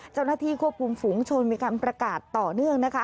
เจ้าหน้าที่ควบคุมฝูงชนมีการประกาศต่อเนื่องนะคะ